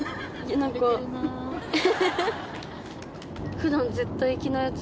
普段絶対着ないやつ